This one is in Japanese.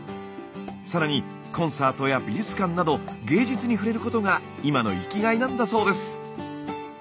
更にコンサートや美術館など芸術に触れることが今の生きがいなんだそうです。